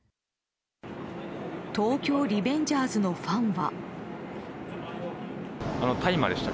「東京リベンジャーズ」のファンは。